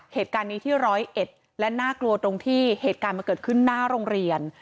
เหตุการณ์นี้ที่ร้อยเอ็ดและน่ากลัวตรงที่เหตุการณ์มันเกิดขึ้นหน้าโรงเรียน